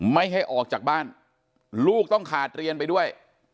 ไม่ให้ออกจากบ้านลูกต้องขาดเรียนไปด้วย